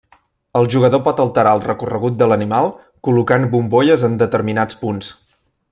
El jugador pot alterar el recorregut de l'animal col·locant bombolles en determinats punts.